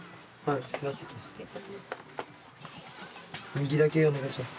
右だけお願いします。